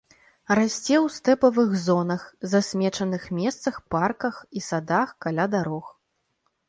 Расце ў стэпавых зонах, засмечаных месцах, парках і садах, каля дарог.